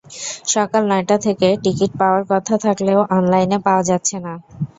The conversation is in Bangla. সকাল নয়টা থেকে টিকিট পাওয়ার কথা থাকলেও অনলাইনে পাওয়া যাচ্ছে না।